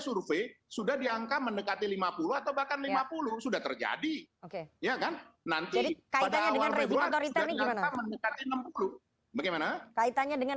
survei sudah diangka mendekati lima puluh atau bahkan lima puluh sudah terjadi oke ya kan nanti kaitannya dengan